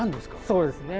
そうですね。